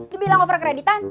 dia bilang over kreditan